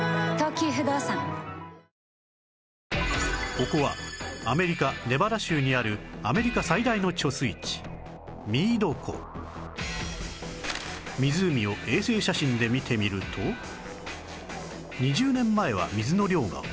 ここはアメリカネバダ州にあるアメリカ最大の貯水池ミード湖湖を衛星写真で見てみると２０年前は水の量が豊富